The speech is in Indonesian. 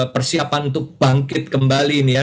persiapan untuk bangkit kembali ini ya